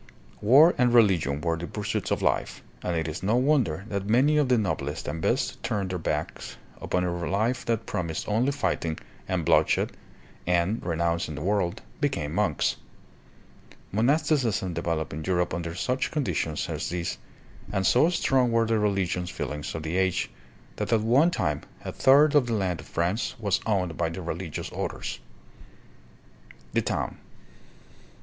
War and religion were the pursuits of life, and it is no wonder that many of the noblest and best turned their backs upon a life that promised only fighting and bloodshed and, renouncing the world, became monks. Monasticism developed in Europe under such conditions as these, and so strong were the religious feelings of the age that at one time a third of the land of France was owned by the re ligious orders. The Town.